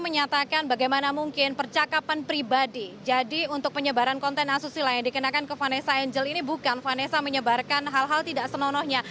menyatakan bagaimana mungkin percakapan pribadi jadi untuk penyebaran konten asusila yang dikenakan ke vanessa angel ini bukan vanessa menyebarkan hal hal tidak senonohnya